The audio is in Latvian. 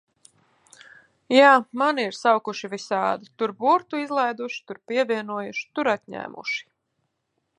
Jā, mani ir saukuši visādi, tur burtu izlaiduši, tur pievienojuši, tur atņēmuši.